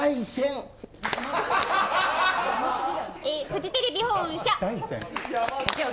フジテレビ本社。